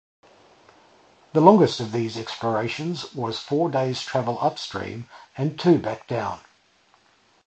The longest of these explorations was four days' travel up-stream and two back down.